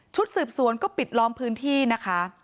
สืบสวนก็ปิดล้อมพื้นที่นะคะ